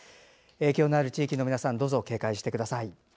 警報のある地域の皆さんどうぞ警戒してください。